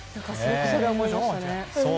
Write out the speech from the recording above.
それは思いましたね。